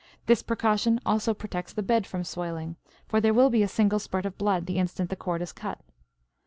This precaution also protects the bed from soiling, for there will be a single spurt of blood the instant the cord is cut.